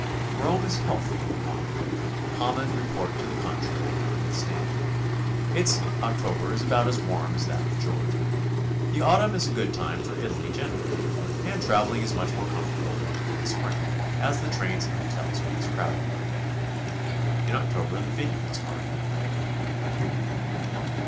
Rome is healthy in the autumn, common report to the contrary notwithstanding. Its October is about as warm as that of Georgia. The autumn is a good time for Italy generally; and traveling is muoh more comfortable than in WHY, WHO, ^ND WHEN TO GO. 15 the spring, as the trains and hotels are less crowded. In October the vineyards are in their glory.